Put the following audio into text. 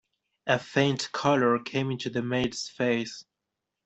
A faint colour came into the maid's face.